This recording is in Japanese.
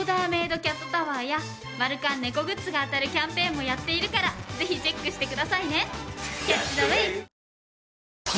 キャットタワーやマルカン猫グッズが当たるキャンペーンもやっているからぜひチェックしてくださいね。